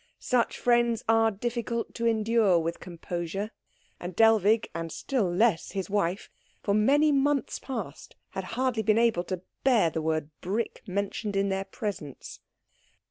Such friends are difficult to endure with composure; and Dellwig, and still less his wife, for many months past had hardly been able to bear the word "brick" mentioned in their presence.